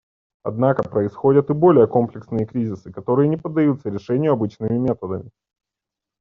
Однако происходят и более комплексные кризисы, которые не поддаются решению обычными методами.